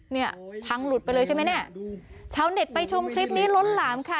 เนี่ยพังหลุดไปเลยใช่ไหมเนี่ยชาวเน็ตไปชมคลิปนี้ล้นหลามค่ะ